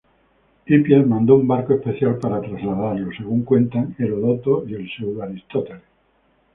Hipias mandó un barco especial para trasladarlo, según cuentan Heródoto y el pseudo-Aristóteles.